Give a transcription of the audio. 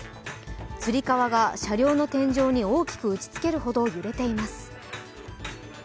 つり革が車両の天井に大きく打ちつけるほど揺れています。